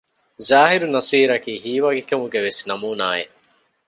ޒާހިރު ނަޞީރަކީ ހީވާގި ކަމުގެވެސް ނަމޫނާއެއް